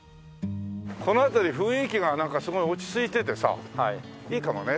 この辺り雰囲気がなんかすごい落ち着いててさいいかもね。